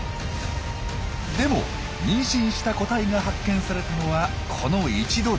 でも妊娠した個体が発見されたのはこの一度だけ。